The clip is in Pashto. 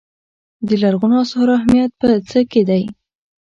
د لرغونو اثارو اهمیت په څه کې دی.